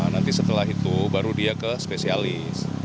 nanti setelah itu baru dia ke spesialis